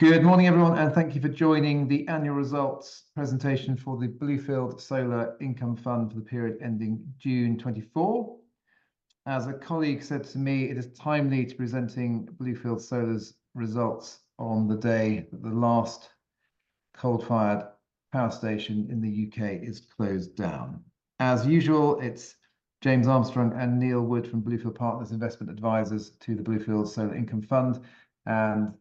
Good morning, everyone, and thank you for joining the annual results presentation for the Bluefield Solar Income Fund for the period ending June 2024. As a colleague said to me, it is timely to presenting Bluefield Solar's results on the day that the last coal-fired power station in the U.K. is closed down. As usual, it's James Armstrong and Neil Wood from Bluefield Partners Investment Advisors to the Bluefield Solar Income Fund, and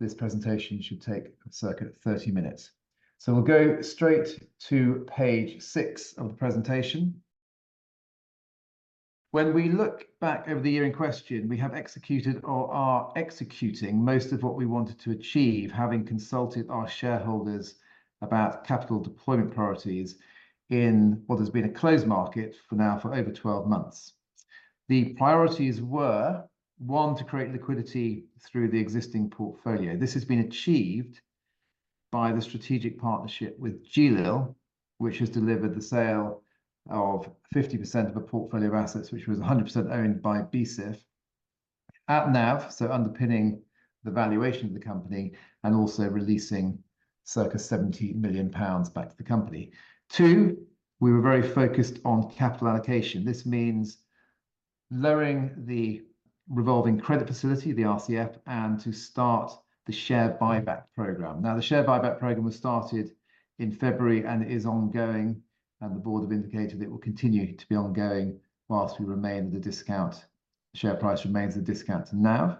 this presentation should take circa thirty minutes. So we'll go straight to page six of the presentation. When we look back over the year in question, we have executed or are executing most of what we wanted to achieve, having consulted our shareholders about capital deployment priorities in what has been a closed market for now for over twelve months. The priorities were, one, to create liquidity through the existing portfolio. This has been achieved by the strategic partnership with GLIL, which has delivered the sale of 50% of a portfolio of assets which was 100% owned by BSIF at NAV, so underpinning the valuation of the company, and also releasing circa 70 million pounds back to the company. Two, we were very focused on capital allocation. This means lowering the revolving credit facility, the RCF, and to start the share buyback program. Now, the share buyback program was started in February and is ongoing, and the board have indicated it will continue to be ongoing while we remain at the discount... share price remains at a discount to NAV.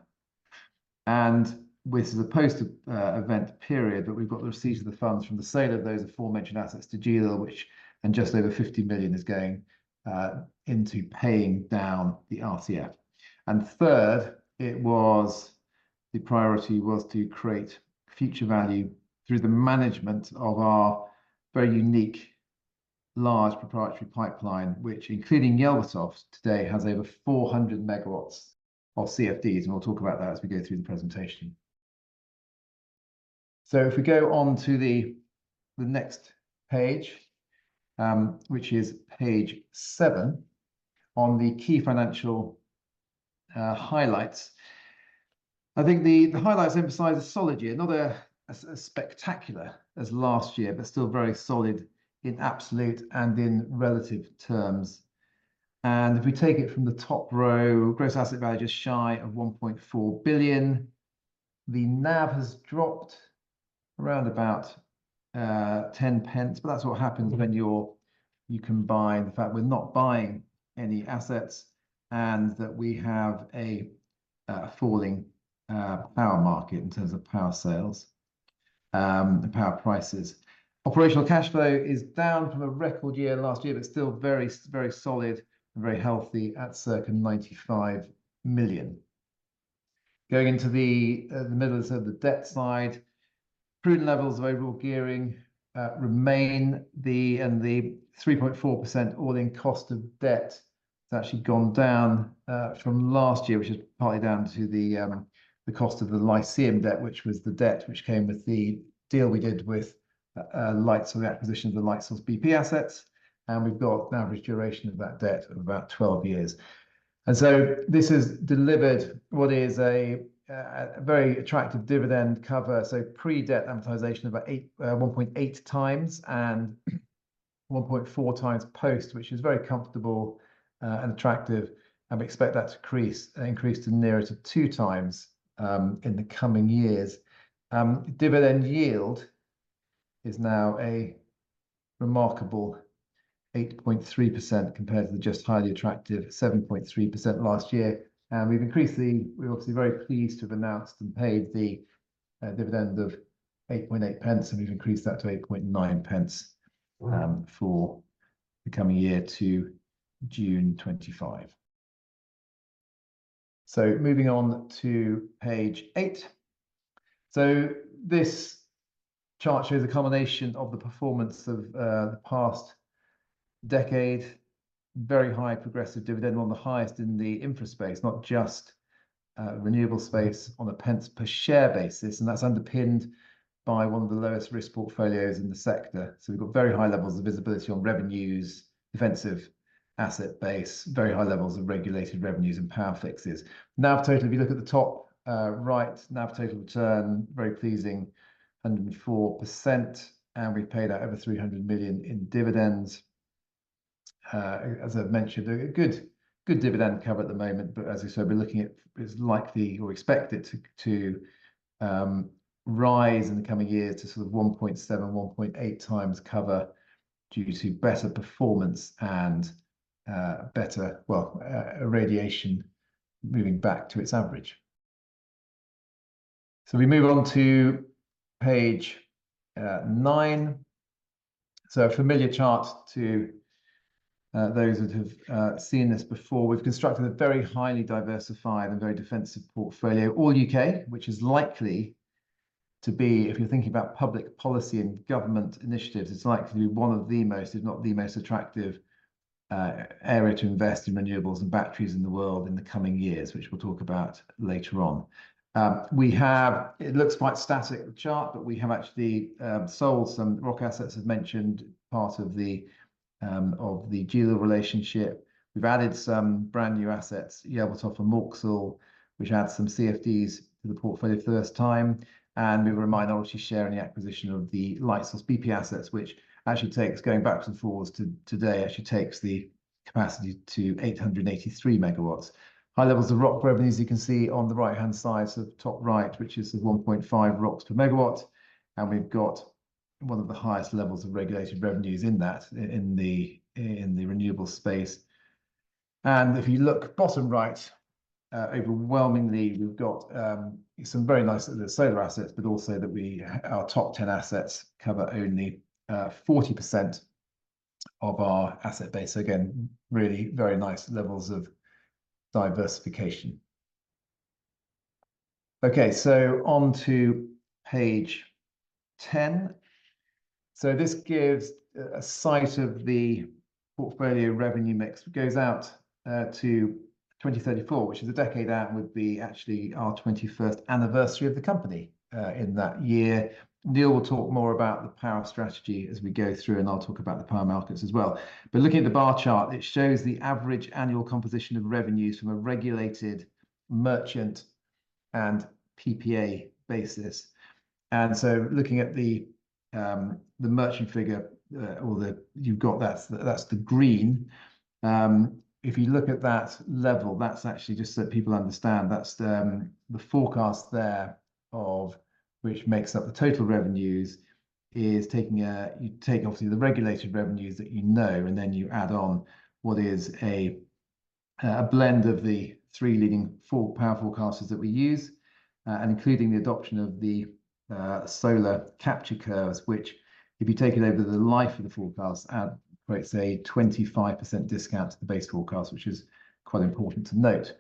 This is a post-event period, but we've got the receipt of the funds from the sale of those aforementioned assets to GLIL, which and just over 50 million is going into paying down the RCF. And third, it was the priority to create future value through the management of our very unique, large proprietary pipeline, which, including Yelvertoft today, has over 400 MW of CFDs, and we'll talk about that as we go through the presentation. So if we go on to the next page, which is page seven, on the key financial highlights. I think the highlights emphasize a solid year, not as spectacular as last year, but still very solid in absolute and in relative terms, and if we take it from the top row, gross asset value just shy of 1.4 billion. The NAV has dropped around about 0.10, but that's what happens when you're you combine the fact we're not buying any assets and that we have a falling power market in terms of power sales, the power prices. Operational cash flow is down from a record year last year, but still very solid and very healthy at circa 95 million. Going into the middle, so the debt side, prudent levels of overall gearing remain the and the 3.4% all-in cost of debt has actually gone down from last year, which is partly down to the cost of the Lyceum debt, which was the debt which came with the deal we did with Lightsource, the acquisition of the Lightsource BP assets, and we've got average duration of that debt of about 12 years. And so this has delivered what is a very attractive dividend cover, so pre-debt amortization about 1.8x, and 1.4x post, which is very comfortable, and attractive, and we expect that to increase to nearer to 2x, in the coming years. Dividend yield is now a remarkable 8.3% compared to the just highly attractive 7.3% last year, and we're obviously very pleased to have announced and paid the dividend of 8.8, and we've increased that to 8.9, for the coming year to June 2025. So moving on to page eight. So this chart shows a combination of the performance of, the past decade. Very high progressive dividend, one of the highest in the infra space, not just, renewable space, on a pence per share basis, and that's underpinned by one of the lowest risk portfolios in the sector. So we've got very high levels of visibility on revenues, defensive asset base, very high levels of regulated revenues and power fixes. NAV total, if you look at the top, right, NAV total return, very pleasing, 104%, and we paid out over 300 million in dividends. As I've mentioned, a good, good dividend cover at the moment, but as I said, we're looking at it's likely or expected to, rise in the coming year to sort of 1.7,x 1.8x cover due to better performance and, better, radiation moving back to its average. So we move on to page nine. So a familiar chart to those that have seen this before. We've constructed a very highly diversified and very defensive portfolio, all U.K., which is likely to be, if you're thinking about public policy and government initiatives, it's likely to be one of the most, if not the most attractive area to invest in renewables and batteries in the world in the coming years, which we'll talk about later on. It looks quite static, the chart, but we have actually sold some ROC assets, as mentioned, part of the GLIL relationship. We've added some brand new assets, Yelvertoft and Mauxhall, which adds some CFDs to the portfolio for the first time, and we have a minority share in the acquisition of the Lightsource BP assets, which actually takes, going back and forwards to today, actually takes the capacity to 883 MW. High levels of ROC revenues, you can see on the right-hand side, so the top right, which is the 1.5 ROCs per MW, and we've got one of the highest levels of regulated revenues in that, in the renewable space. If you look bottom right, overwhelmingly, we've got some very nice solar assets, but also that we, our top 10 assets cover only 40% of our asset base. Again, really very nice levels of diversification. Okay, so onto page ten. This gives a sight of the portfolio revenue mix, which goes out to 2034, which is a decade out, and would be actually our 21st anniversary of the company in that year. Neil will talk more about the power strategy as we go through, and I'll talk about the power markets as well. But looking at the bar chart, it shows the average annual composition of revenues from a regulated merchant and PPA basis. And so looking at the merchant figure, or the... You've got that, that's the green. If you look at that level, that's actually just so people understand, that's the forecast there of which makes up the total revenues, is taking a, you take obviously the regulated revenues that you know, and then you add on what is a blend of the three leading four power forecasters that we use, and including the adoption of the solar capture curves, which if you take it over the life of the forecast, add, let's say, a 25% discount to the base forecast, which is quite important to note.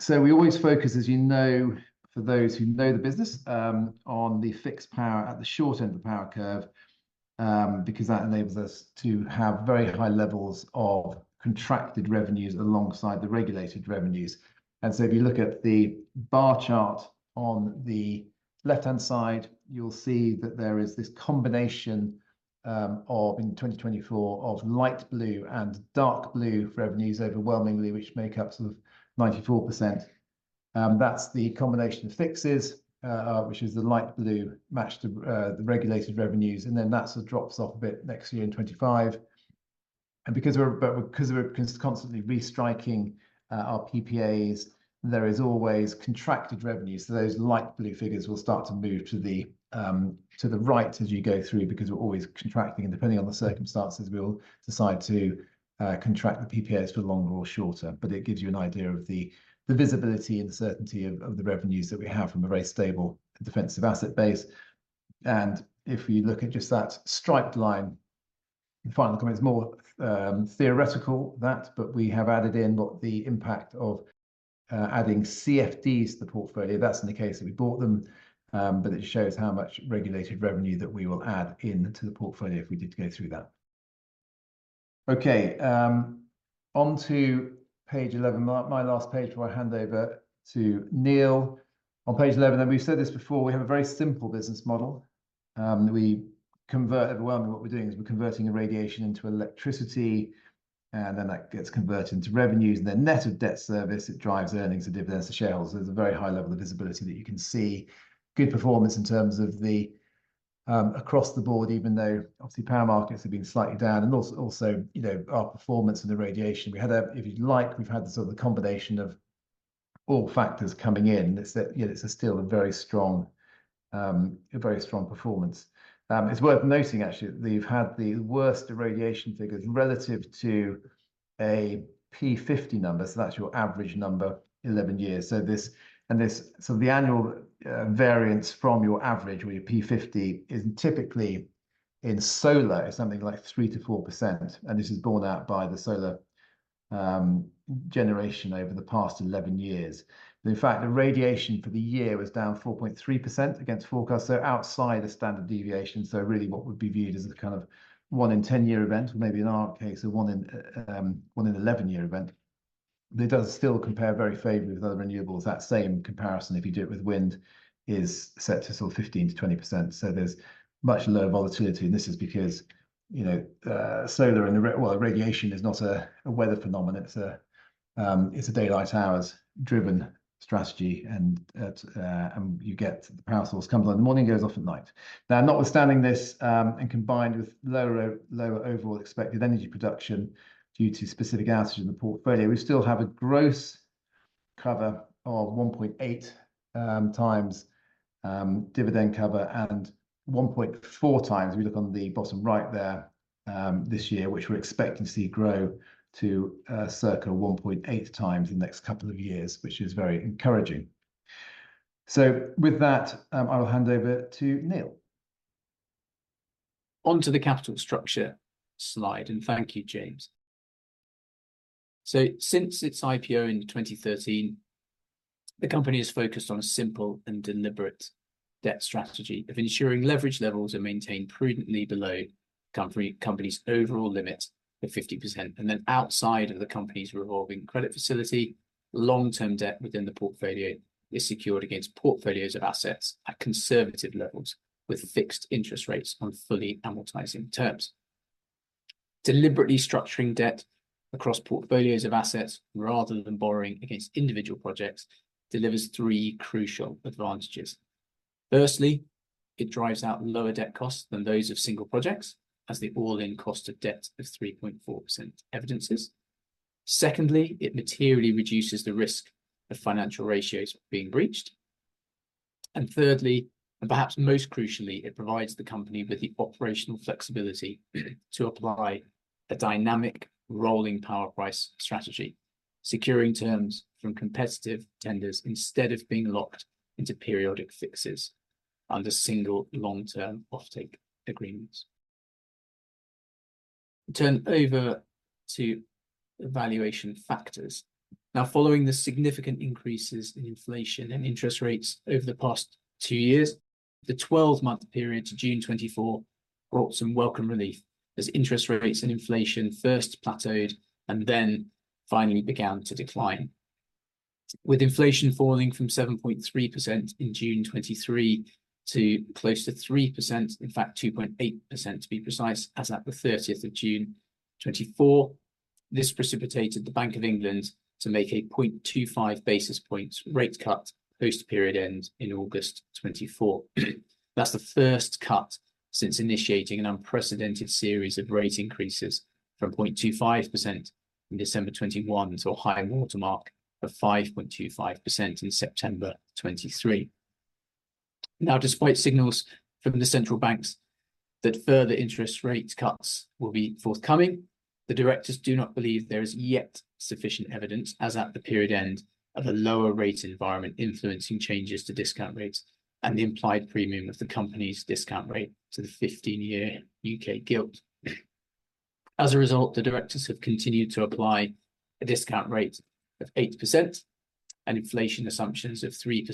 So we always focus, as you know, for those who know the business, on the fixed power at the short end of the power curve, because that enables us to have very high levels of contracted revenues alongside the regulated revenues. If you look at the bar chart on the left-hand side, you'll see that there is this combination of, in 2024, of light blue and dark blue revenues overwhelmingly, which make up sort of 94%. That's the combination of fixes, which is the light blue matched to the regulated revenues, and then that sort of drops off a bit next year in 2025. Because we're constantly restriking our PPAs, there is always contracted revenue, so those light blue figures will start to move to the right as you go through, because we're always contracting. Depending on the circumstances, we'll decide to contract the PPAs for longer or shorter. But it gives you an idea of the visibility and the certainty of the revenues that we have from a very stable defensive asset base. And if you look at just that striped line, the final comment is more theoretical, but we have added in what the impact of adding CFDs to the portfolio. That's in the case that we bought them, but it shows how much regulated revenue that we will add in to the portfolio if we did go through that. Okay, onto page 11, my last page before I hand over to Neil. On page 11, and we've said this before, we have a very simple business model that we convert... Overwhelmingly, what we're doing is we're converting the irradiation into electricity, and then that gets converted into revenues, and then net of debt service, it drives earnings and dividends to shareholders. There's a very high level of visibility that you can see. Good performance in terms of the across the board, even though obviously, power markets have been slightly down, and also, you know, our performance and the irradiation. We had a, if you like, we've had the sort of combination of all factors coming in. It's a, you know, it's still a very strong, a very strong performance. It's worth noting, actually, that you've had the worst irradiation figures relative to a P50 number, so that's your average number, 11 years. The annual variance from your average or your P50 is typically in solar something like 3%-4%, and this is borne out by the solar generation over the past 11 years. In fact, the irradiation for the year was down 4.3% against forecast, so outside the standard deviation. Really, what would be viewed as the kind of one in 10-year event, or maybe in our case, a one in 11-year event, it does still compare very favorably with other renewables. That same comparison, if you do it with wind, is set to sort of 15%-20%, so there's much lower volatility, and this is because, you know, solar and the irradiation is not a weather phenomenon. It's a daylight hours-driven strategy, and you get the power source, comes on in the morning, goes off at night. Now, notwithstanding this, and combined with lower overall expected energy production due to specific assets in the portfolio, we still have a gross cover of 1.8x dividend cover and 1.4x, if we look on the bottom right there, this year, which we're expecting to see grow to circa 1.8x in the next couple of years, which is very encouraging. So with that, I will hand over to Neil. Onto the capital structure slide, and thank you, James. So since its IPO in 2013, the company has focused on a simple and deliberate debt strategy of ensuring leverage levels are maintained prudently below company's overall limits at 50%, and then outside of the company's revolving credit facility, long-term debt within the portfolio is secured against portfolios of assets at conservative levels, with fixed interest rates on fully amortizing terms. Deliberately structuring debt across portfolios of assets rather than borrowing against individual projects delivers three crucial advantages. Firstly, it drives out lower debt costs than those of single projects, as the all-in cost of debt of 3.4% evidences. Secondly, it materially reduces the risk of financial ratios being breached. And thirdly, and perhaps most crucially, it provides the company with the operational flexibility to apply a dynamic rolling power price strategy, securing terms from competitive tenders instead of being locked into periodic fixes under single long-term offtake agreements. Turn over to valuation factors. Now, following the significant increases in inflation and interest rates over the past two years, the 12-month period to June 2024 brought some welcome relief, as interest rates and inflation first plateaued and then finally began to decline, with inflation falling from 7.3% in June 2023 to close to 3%, in fact, 2.8%, to be precise, as at the 30th of June 2024. This precipitated the Bank of England to make a 25 basis points rate cut post-period end in August 2024. That's the first cut since initiating an unprecedented series of rate increases from 0.25% in December 2021 to a high-water mark of 5.25% in September 2023. Now, despite signals from the central banks that further interest rate cuts will be forthcoming, the directors do not believe there is yet sufficient evidence, as at the period end, of a lower rate environment influencing changes to discount rates and the implied premium of the company's discount rate to the 15-year U.K. gilt. As a result, the directors have continued to apply a discount rate of 8% and inflation assumptions of 3%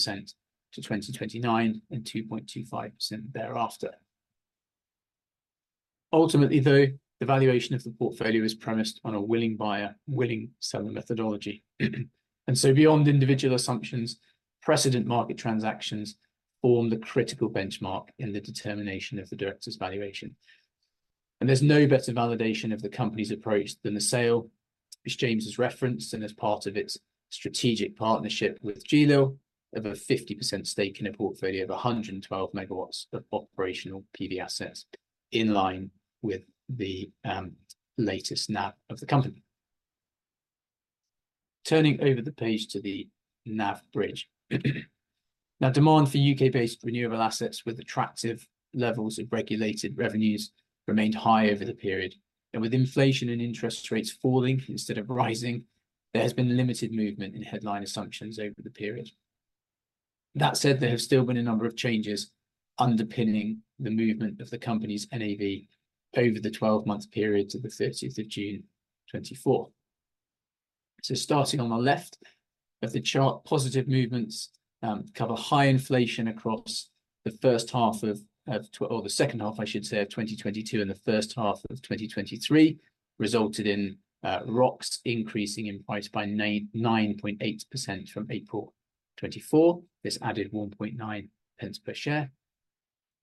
to 2029 and 2.25% thereafter. Ultimately, though, the valuation of the portfolio is premised on a willing buyer, willing seller methodology. And so beyond individual assumptions, precedent market transactions form the critical benchmark in the determination of the directors' valuation. And there's no better validation of the company's approach than the sale, which James has referenced, and as part of its strategic partnership with GLIL, of a 50% stake in a portfolio of 112 MW of operational PV assets, in line with the latest NAV of the company. Turning over the page to the NAV bridge. Now, demand for U.K.-based renewable assets with attractive levels of regulated revenues remained high over the period, and with inflation and interest rates falling instead of rising, there has been limited movement in headline assumptions over the period. That said, there have still been a number of changes underpinning the movement of the company's NAV over the 12-month period to the thirtieth of June 2024. Starting on the left of the chart, positive movements cover high inflation across the first half or the second half, I should say, of 2022, and the first half of 2023, resulted in ROCs increasing in price by 9.8% from April 2024. This added 1.9 per share,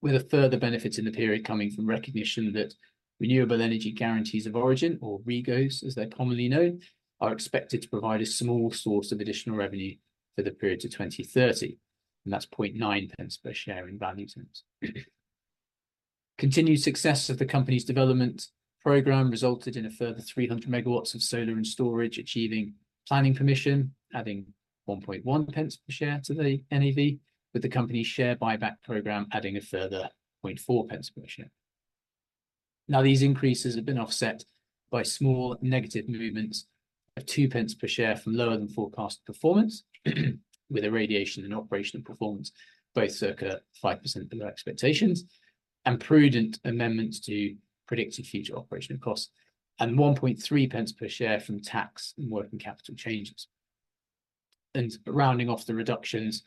with a further benefit in the period coming from recognition that renewable energy guarantees of origin, or REGOs, as they're commonly known, are expected to provide a small source of additional revenue for the period to 2030, and that's 0.9 per share in value terms. Continued success of the company's development program resulted in a further 300 megawatts of solar and storage, achieving planning permission, adding 1.1 per share to the NAV, with the company's share buyback program adding a further 0.4 per share. Now, these increases have been offset by small negative movements of 2 per share from lower-than-forecast performance, with irradiation and operational performance both circa 5% below expectations and prudent amendments to predicted future operational costs, and 1.3 per share from tax and working capital changes. And rounding off the reductions,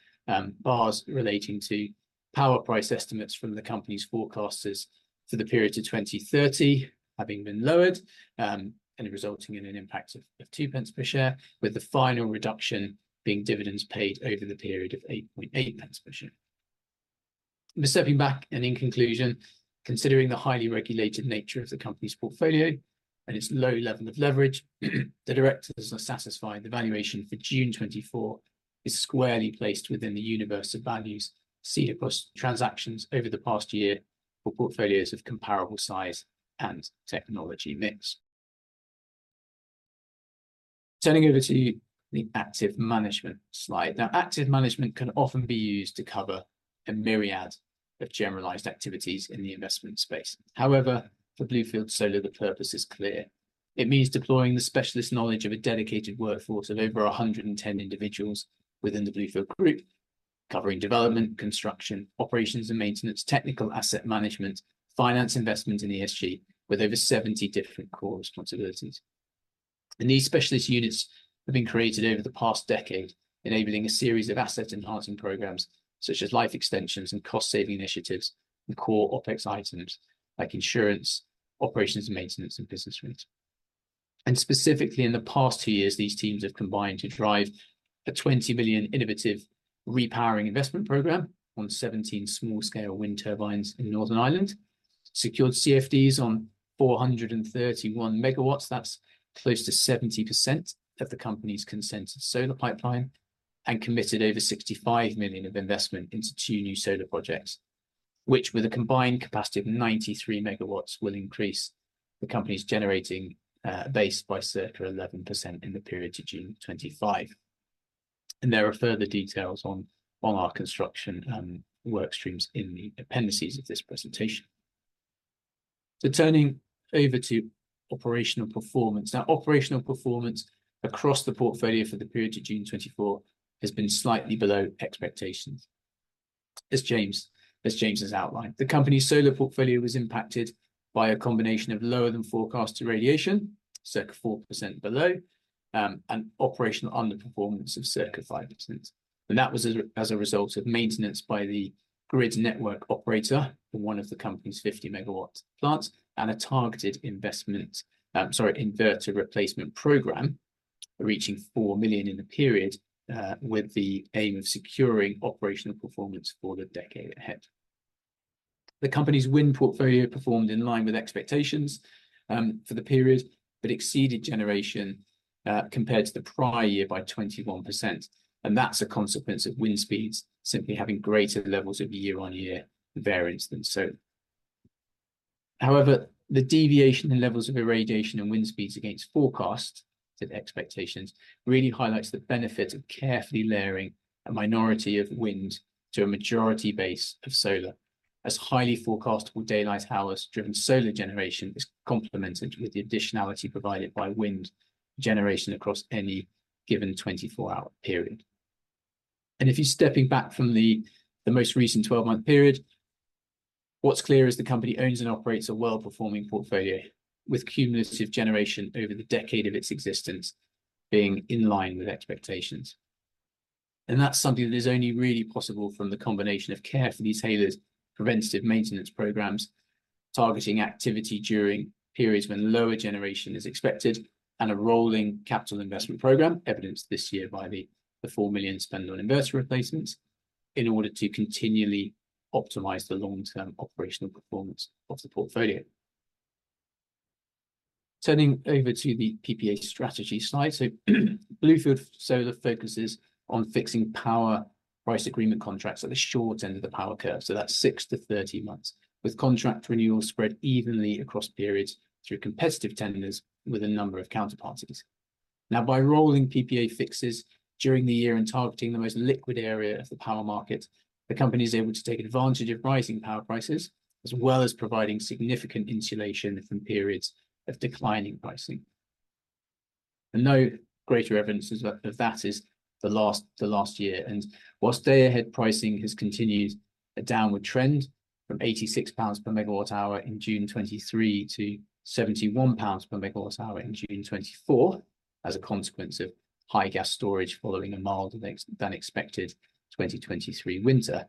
bars relating to power price estimates from the company's forecasters for the period to 2030 having been lowered, and resulting in an impact of 2 per share, with the final reduction being dividends paid over the period of 8.8 per share. But stepping back, and in conclusion, considering the highly regulated nature of the company's portfolio and its low level of leverage, the directors are satisfied the valuation for June 2024 is squarely placed within the universe of values seen across transactions over the past year for portfolios of comparable size and technology mix. Turning over to the active management slide. Now, active management can often be used to cover a myriad of generalized activities in the investment space. However, for Bluefield Solar, the purpose is clear. It means deploying the specialist knowledge of a dedicated workforce of over 110 individuals within the Bluefield Group, covering development, construction, operations and maintenance, technical asset management, finance, investment, and ESG, with over 70 different core responsibilities.... These specialist units have been created over the past decade, enabling a series of asset-enhancing programs, such as life extensions and cost-saving initiatives, and core OpEx items, like insurance, operations and maintenance, and business rent. Specifically, in the past two years, these teams have combined to drive a 20 million innovative repowering investment program on 17 small-scale wind turbines in Northern Ireland, secured CFDs on 431 MW. That's close to 70% of the company's consented solar pipeline and committed over 65 million of investment into two new solar projects, which, with a combined capacity of 93 MW, will increase the company's generating base by circa 11% in the period to June 2025. There are further details on our construction work streams in the appendices of this presentation. Turning over to operational performance. Now, operational performance across the portfolio for the period to June 2024 has been slightly below expectations, as James has outlined. The company's solar portfolio was impacted by a combination of lower-than-forecasted irradiation, circa 4% below, and operational underperformance of circa 5%. And that was as a result of maintenance by the grid network operator in one of the company's 50 MW plants and a targeted investment, inverter replacement program reaching 4 million in the period, with the aim of securing operational performance for the decade ahead. The company's wind portfolio performed in line with expectations for the period, but exceeded generation compared to the prior year by 21%, and that's a consequence of wind speeds simply having greater levels of year-on-year variance than solar. However, the deviation in levels of irradiation and wind speeds against forecast and expectations really highlights the benefit of carefully layering a minority of wind to a majority base of solar, as highly forecastable daylight hours-driven solar generation is complemented with the additionality provided by wind generation across any given 24-hour period. And if you're stepping back from the most recent 12-month period, what's clear is the company owns and operates a well-performing portfolio, with cumulative generation over the decade of its existence being in line with expectations. And that's something that is only really possible from the combination of carefully tailored preventative maintenance programs, targeting activity during periods when lower generation is expected, and a rolling capital investment program, evidenced this year by the 4 million spent on inverter replacements, in order to continually optimize the long-term operational performance of the portfolio. Turning over to the PPA strategy slide. Bluefield Solar focuses on fixing power price agreement contracts at the short end of the power curve, so that's six to 13 months, with contract renewals spread evenly across periods through competitive tenders with a number of counterparties. Now, by rolling PPA fixes during the year and targeting the most liquid area of the power market, the company is able to take advantage of rising power prices, as well as providing significant insulation from periods of declining pricing. No greater evidence of that is the last year, and while day-ahead pricing has continued a downward trend from 86 pounds per MWh in June 2023 to 71 pounds per MWh in June 2024, as a consequence of high gas storage following a milder than expected 2023 winter,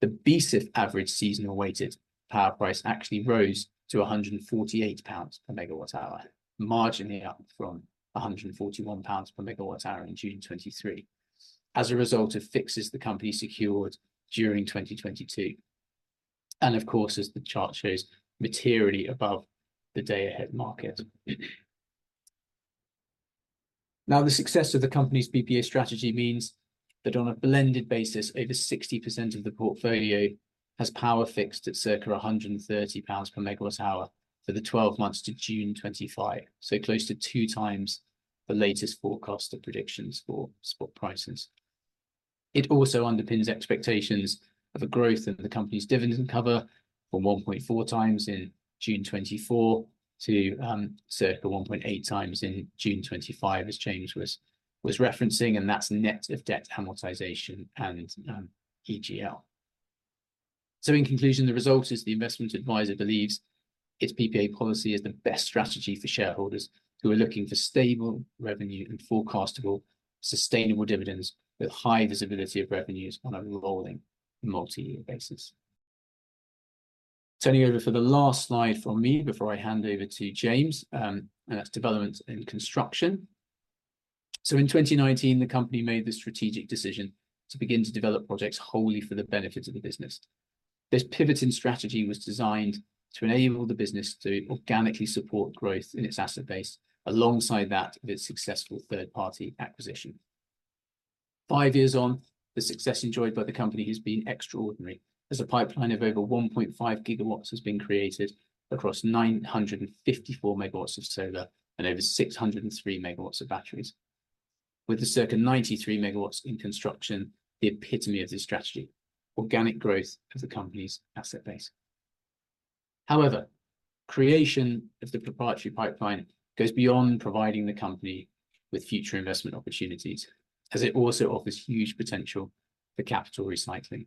the BSIF average seasonal weighted power price actually rose to 148 pounds per MWh, marginally up from 141 pounds per MWh in June 2023, as a result of fixes the company secured during 2022. Of course, as the chart shows, materially above the day-ahead market. Now, the success of the company's PPA strategy means that on a blended basis, over 60% of the portfolio has power fixed at circa 130 pounds per MWh for the 12 months to June 2025, so close to 2x the latest forecast of predictions for spot prices. It also underpins expectations of a growth in the company's dividend cover from 1.4x in June 2024 to circa 1.8x in June 2025, as James was referencing, and that's net of debt amortization and EGL. So in conclusion, the result is the investment advisor believes its PPA policy is the best strategy for shareholders who are looking for stable revenue and forecastable, sustainable dividends with high visibility of revenues on a rolling multi-year basis. Turning over for the last slide from me before I hand over to James, and that's development and construction. So in 2019, the company made the strategic decision to begin to develop projects wholly for the benefit of the business. This pivot in strategy was designed to enable the business to organically support growth in its asset base, alongside that of its successful third-party acquisition. Five years on, the success enjoyed by the company has been extraordinary, as a pipeline of over 1.5 GW has been created across 954 MW of solar and over 603 MW of batteries, with the circa 93 MW in construction the epitome of this strategy, organic growth of the company's asset base. However, creation of the proprietary pipeline goes beyond providing the company with future investment opportunities, as it also offers huge potential for capital recycling....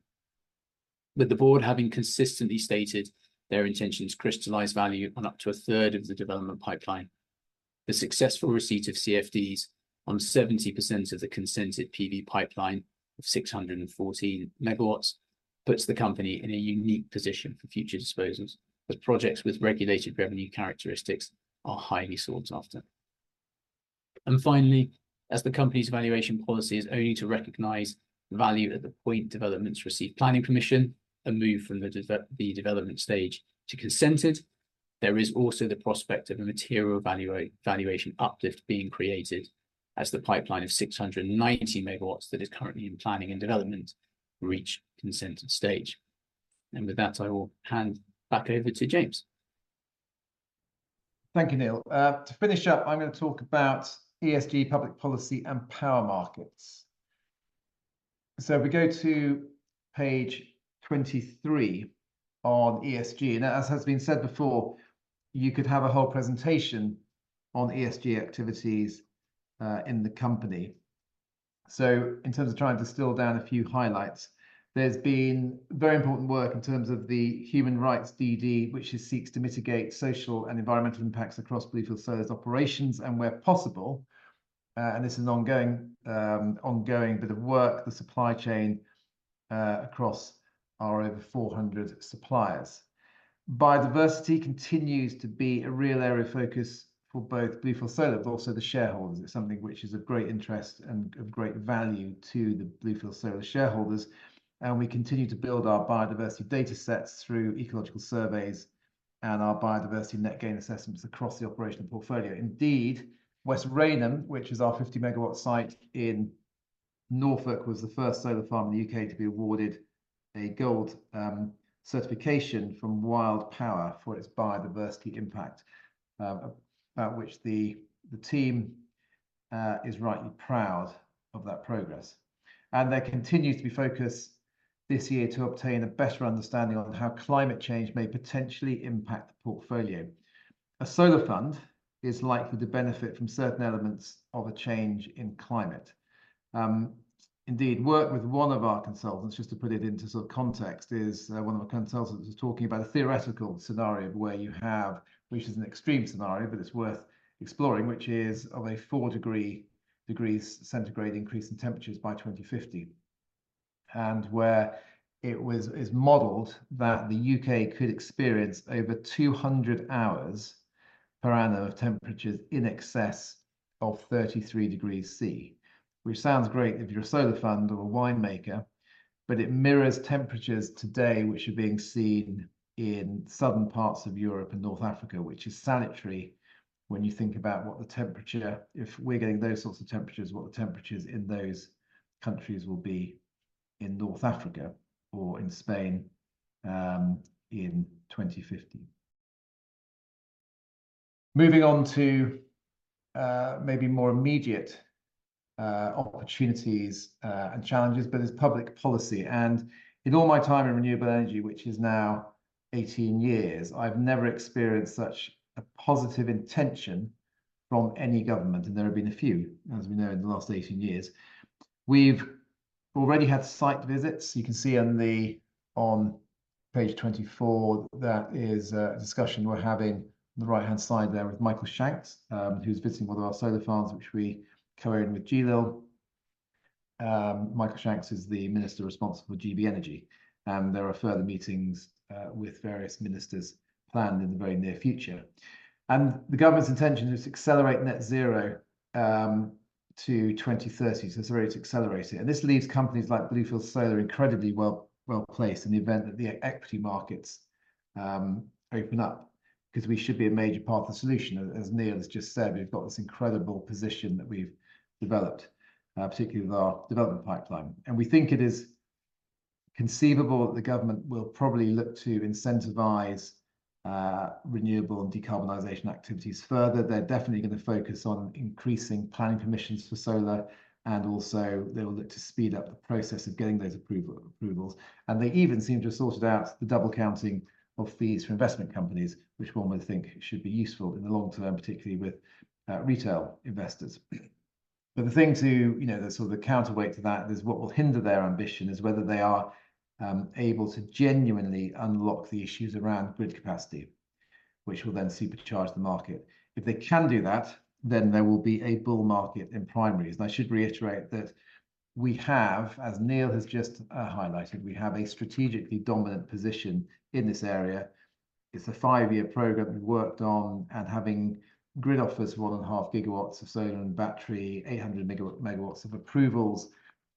With the board having consistently stated their intention to crystallize value on up to a third of the development pipeline, the successful receipt of CFDs on 70% of the consented PV pipeline of 614 MW puts the company in a unique position for future disposals, as projects with regulated revenue characteristics are highly sought after. And finally, as the company's valuation policy is only to recognize value at the point developments receive planning permission and move from the development stage to consented, there is also the prospect of a material valuation uplift being created as the pipeline of 690 MW that is currently in planning and development reach consented stage. And with that, I will hand back over to James. Thank you, Neil. To finish up, I'm gonna talk about ESG, public policy, and power markets. So if we go to page 23 on ESG, and as has been said before, you could have a whole presentation on ESG activities in the company. So in terms of trying to distill down a few highlights, there's been very important work in terms of the human rights DD, which seeks to mitigate social and environmental impacts across Bluefield Solar's operations, and where possible, and this is an ongoing bit of work, the supply chain across our over 400 suppliers. Biodiversity continues to be a real area of focus for both Bluefield Solar, but also the shareholders. It's something which is of great interest and of great value to the Bluefield Solar shareholders, and we continue to build our biodiversity data sets through ecological surveys and our biodiversity net gain assessments across the operational portfolio. Indeed, West Raynham, which is our 50 MW site in Norfolk, was the first solar farm in the U.K. to be awarded a gold certification from Wild Power for its biodiversity impact, about which the team is rightly proud of that progress, and there continues to be focus this year to obtain a better understanding on how climate change may potentially impact the portfolio. A solar fund is likely to benefit from certain elements of a change in climate. Indeed, work with one of our consultants, just to put it into sort of context, one of our consultants was talking about a theoretical scenario, which is an extreme scenario, but it's worth exploring, which is of a 4°C increase in temperatures by 2050, and where it's modeled that the U.K. could experience over 200 hours per annum of temperatures in excess of 33°C, which sounds great if you're a solar fund or a winemaker, but it mirrors temperatures today, which are being seen in southern parts of Europe and North Africa, which is salutary when you think about what the temperature. If we're getting those sorts of temperatures, what the temperatures in those countries will be in North Africa or in Spain, in 2050. Moving on to maybe more immediate opportunities and challenges, but it's public policy, and in all my time in renewable energy, which is now 18 years, I've never experienced such a positive intention from any government, and there have been a few, as we know, in the last 18 years. We've already had site visits. You can see on page 24, that is a discussion we're having on the right-hand side there with Michael Shanks, who's visiting one of our solar farms, which we co-own with GLIL. Michael Shanks is the Minister responsible for GB Energy, and there are further meetings with various ministers planned in the very near future, and the government's intention is to accelerate net zero to 2030, so it's already to accelerate it. And this leaves companies like Bluefield Solar incredibly well, well-placed in the event that the equity markets, open up, 'cause we should be a major part of the solution. As, as Neil has just said, we've got this incredible position that we've developed, particularly with our development pipeline, and we think it is conceivable that the government will probably look to incentivize, renewable and decarbonization activities further. They're definitely gonna focus on increasing planning permissions for solar, and also they will look to speed up the process of getting those approvals. And they even seem to have sorted out the double counting of fees for investment companies, which one would think should be useful in the long term, particularly with, retail investors. But the thing to, you know, the sort of counterweight to that is what will hinder their ambition, is whether they are able to genuinely unlock the issues around grid capacity, which will then supercharge the market. If they can do that, then there will be a bull market in primaries, and I should reiterate that we have, as Neil has just highlighted, we have a strategically dominant position in this area. It's a five-year program we've worked on, and having grid offers 1.5 GW of solar and battery, 800 MW of approvals,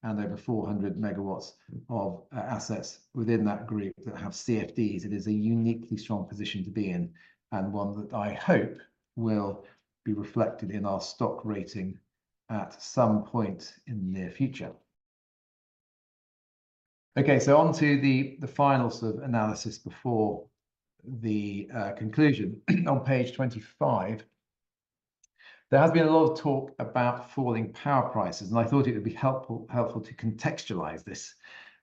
and over 400 MW of assets within that group that have CFDs. It is a uniquely strong position to be in, and one that I hope will be reflected in our stock rating at some point in the near future. Okay, so on to the final sort of analysis before the conclusion. On page 25, there has been a lot of talk about falling power prices, and I thought it would be helpful to contextualize this.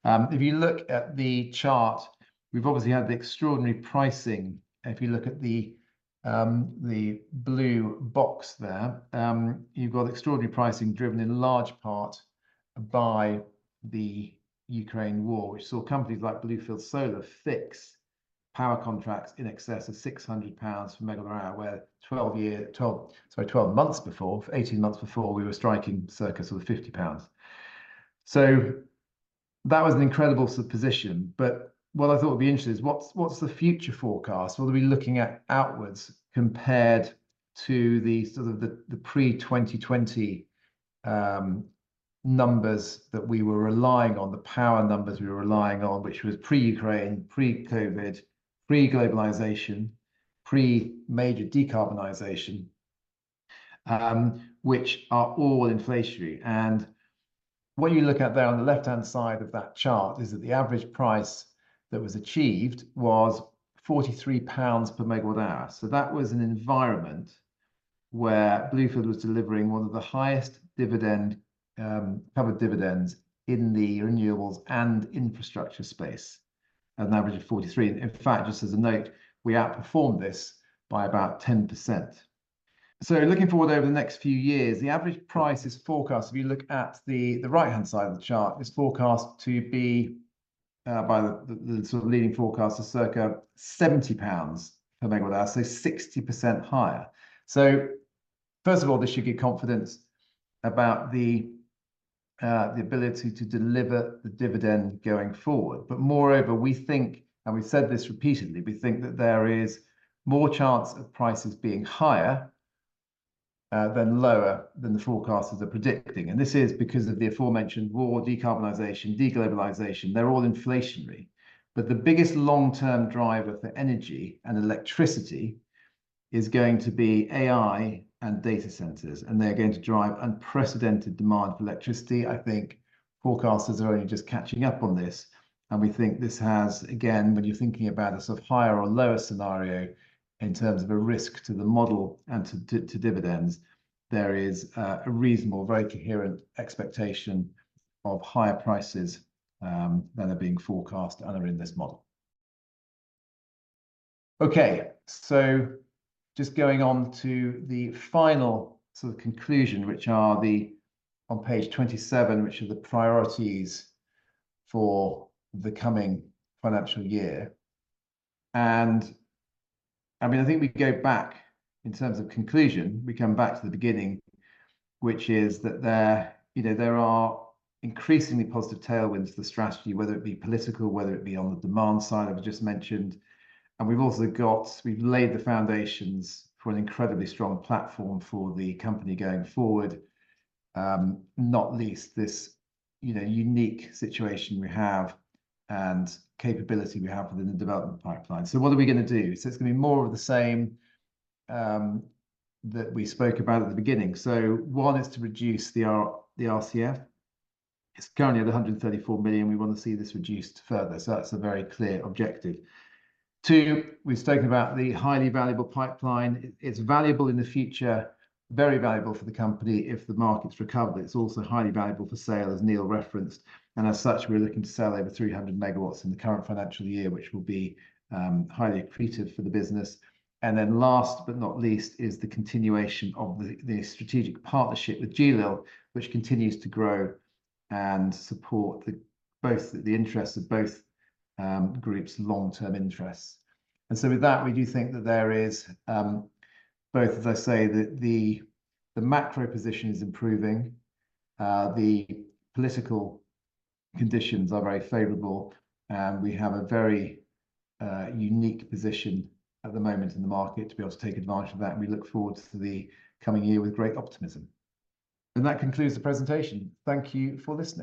If you look at the chart. We've obviously had the extraordinary pricing. If you look at the blue box there, you've got extraordinary pricing driven in large part by the Ukraine war, which saw companies like Bluefield Solar fix power contracts in excess of 600 pounds for MWh, where 12 months before, 18 months before, we were striking circa sort of 50 pounds. So that was an incredible sort of position. But what I thought would be interesting is what's the future forecast? What are we looking at outwards compared to the pre 2020 numbers that we were relying on, the power numbers we were relying on, which was pre-Ukraine, pre-COVID, pre-globalization, pre-major decarbonization, which are all inflationary. And what you look at there on the left-hand side of that chart is that the average price that was achieved was 43 pounds per MWh. So that was an environment where Bluefield was delivering one of the highest dividend covered dividends in the renewables and infrastructure space at an average of 43. In fact, just as a note, we outperformed this by about 10%. Looking forward over the next few years, the average price, if you look at the right-hand side of the chart, is forecast to be by the sort of leading forecast of circa 70 pounds per MWh, so 60% higher. First of all, this should give confidence about the ability to deliver the dividend going forward. Moreover, we think, and we've said this repeatedly, we think that there is more chance of prices being higher than lower than the forecasters are predicting, and this is because of the aforementioned war, decarbonization, de-globalization. They're all inflationary. The biggest long-term driver for energy and electricity is going to be AI and data centers, and they're going to drive unprecedented demand for electricity. I think forecasters are only just catching up on this, and we think this has, again, when you're thinking about a sort of higher or lower scenario in terms of a risk to the model and to dividends, there is a reasonable, very coherent expectation of higher prices than are being forecast and are in this model. Okay, so just going on to the final sort of conclusion, which are the on page 27, which are the priorities for the coming financial year, and I mean, I think we go back, in terms of conclusion, we come back to the beginning, which is that there you know, there are increasingly positive tailwinds to the strategy, whether it be political, whether it be on the demand side, I've just mentioned. We've laid the foundations for an incredibly strong platform for the company going forward, not least this, you know, unique situation we have and capability we have within the development pipeline. What are we gonna do? It's gonna be more of the same, that we spoke about at the beginning. One is to reduce the RCF. It's currently at 134 million. We want to see this reduced further, so that's a very clear objective. Two, we've spoken about the highly valuable pipeline. It's valuable in the future, very valuable for the company if the markets recover. It's also highly valuable for sale, as Neil referenced, and as such, we're looking to sell over 300 MW in the current financial year, which will be highly accretive for the business. And then last but not least is the continuation of the strategic partnership with GLIL, which continues to grow and support both the interests of both groups' long-term interests. And so with that, we do think that there is both, as I say, the macro position is improving, the political conditions are very favorable, and we have a very unique position at the moment in the market to be able to take advantage of that, and we look forward to the coming year with great optimism. And that concludes the presentation. Thank you for listening.